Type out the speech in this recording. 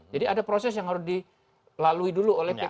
jadi ada proses yang harus dilalui dulu oleh